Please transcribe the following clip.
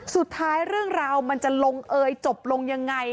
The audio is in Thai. สุดท้ายเรื่องราวมันจะลงเอ่ยจบลงยังไง